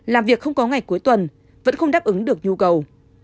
làm việc không có ngày cuối tuần vẫn không đáp ứng được nhu cầu